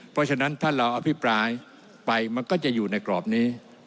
เพราะฉะนั้นถ้าเราอภิปรายไปมันก็จะอยู่ในกรอบนี้